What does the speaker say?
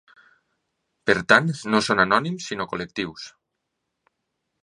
Per tant no són anònims sinó col·lectius.